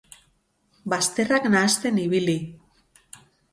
Bazterrak nahasten ibili.